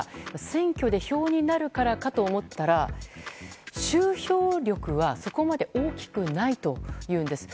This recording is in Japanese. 選挙で票になるからかと思ったら集票力は、そこまで大きくないというんです。